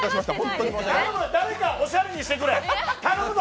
誰かおしゃれにしてくれ頼むぞ！